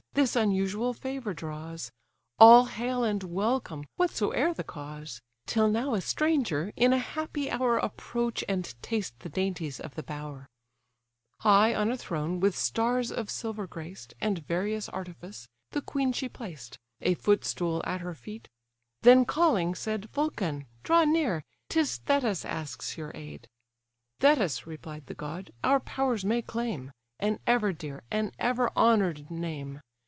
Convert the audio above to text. this unusual favour draws? All hail, and welcome! whatsoe'er the cause; Till now a stranger, in a happy hour Approach, and taste the dainties of the bower." THETIS AND EURYNOME RECEIVING THE INFANT VULCAN High on a throne, with stars of silver graced, And various artifice, the queen she placed; A footstool at her feet: then calling, said, "Vulcan, draw near, 'tis Thetis asks your aid." "Thetis (replied the god) our powers may claim, An ever dear, an ever honour'd name!